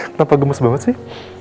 kenapa gemes banget sih